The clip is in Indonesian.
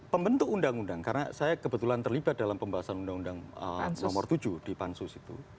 pembentuk undang undang karena saya kebetulan terlibat dalam pembahasan undang undang nomor tujuh di pansus itu